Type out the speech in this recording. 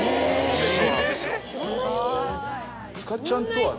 一緒なんですよ。